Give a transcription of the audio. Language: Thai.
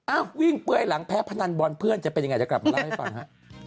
อ้าววิ่งเปลื้อยหลังแพ้พนันบอลเพื่อนจะเป็นอย่างไรจะกลับมาเล่าให้ฟังค่ะ